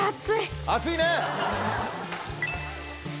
熱いね！